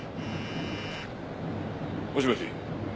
もしもし。